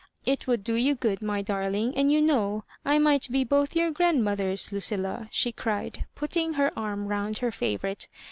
It would do you good, my darling ; and you know I might be both your grandmothers, Lucilla," she cried, put ting her arm round her favourite.